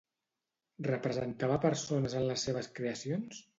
Representava persones en les seves creacions?